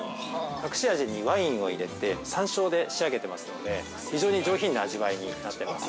隠し味にワインを入れて山椒で仕上げてますので非常に上品な味わいになってます。